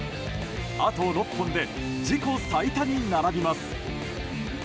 あと６本で自己最多に並びます。